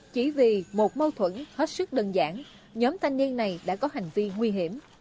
chỉ vì một mâu thuẫn hết sức đơn giản nhóm thanh niên này đã có hành vi nguy hiểm